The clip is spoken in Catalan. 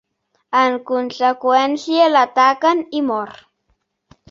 En conseqüència, l'ataquen i mor.